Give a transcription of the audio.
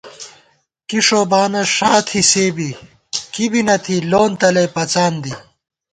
کیݭوبانہ ݭا تھی سے بی کِبی نہ تھی لون تَلَئ پَڅان دی